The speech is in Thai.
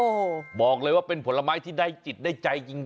โอ้โหบอกเลยว่าเป็นผลไม้ที่ได้จิตได้ใจจริง